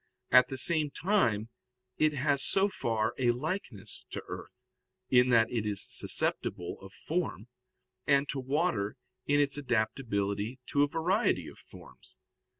At the same time it has so far a likeness to earth, in that it is susceptible of form, and to water in its adaptability to a variety of forms.